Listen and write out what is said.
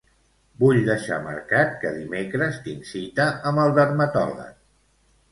Vull deixar marcat que dimecres tinc cita amb el dermatòleg.